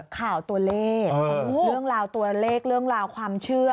ข่าวตัวเลขเรื่องราวตัวเลขเรื่องราวความเชื่อ